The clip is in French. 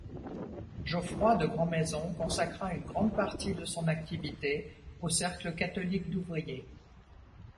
Geoffroy de Grandmaison consacra une grande partie de son activité aux cercles catholiques d’ouvriers.